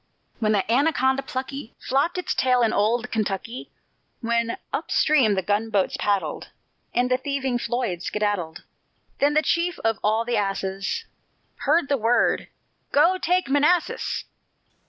When the Anaconda plucky Flopped its tail in old Kentucky; When up stream the gunboats paddled, And the thieving Floyd skedaddled, Then the chief of all the asses Heard the word: Go, take Manassas!